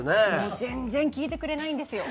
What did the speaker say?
もう全然聞いてくれないんですよ。